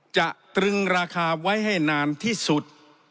ตรึงราคาไว้ให้นานที่สุด